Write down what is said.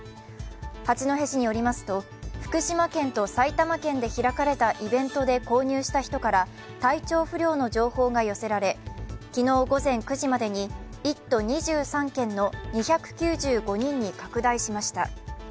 八戸市によりますと、福島県と埼玉県で開かれたイベントで購入した人から体調不良の情報が寄せられ、昨日午前９時までに１都２３県の２９５人に拡大しました。